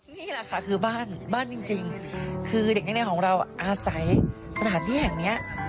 นี่แหละค่ะคือบ้านบ้านจริงคือเด็กแน่ของเราอาศัยสถานที่แห่งนี้